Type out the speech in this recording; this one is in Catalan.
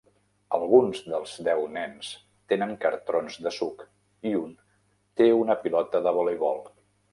Alguns dels deu nens tenen cartrons de suc i un té una pilota de voleibol.